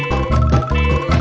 you satu misun